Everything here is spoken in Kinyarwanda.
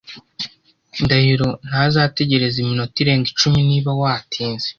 Ndahiro ntazategereza iminota irenga icumi niba watinze.